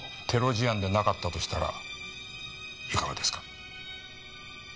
テロ事案でなかったとしたらいかがですか？